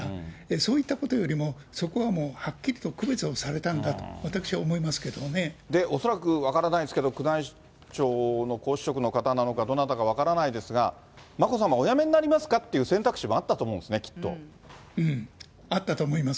そういったことよりも、そこはもうはっきりと区別をされたんだと、私は思いますけれども恐らく、分からないですけれども、宮内庁の皇嗣職の方なのかどなたか分からないですが、眞子さまおやめになりますかっていう選択肢もあったと思うんですあったと思います。